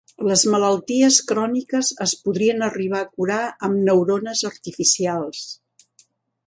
Les malalties cròniques es podrien arribar a curar amb neurones artificials